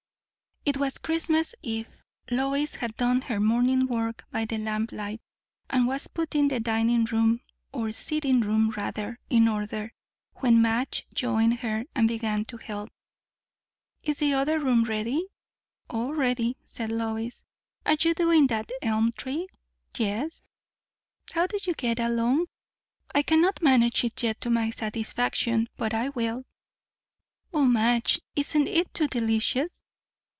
It was Christmas eve. Lois had done her morning work by the lamplight, and was putting the dining room, or sitting room rather, in order; when Madge joined her and began to help. "Is the other room ready?" "All ready," said Lois. "Are you doing that elm tree?" "Yes." "How do you get along?" "I cannot manage it yet, to my satisfaction; but I will. O Madge, isn't it too delicious?"